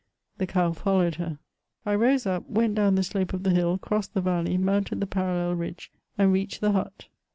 The cow followed her. I rose up, went down the slope of the hill, crossed the valley, mounted the parallel ridge, and reached the hut.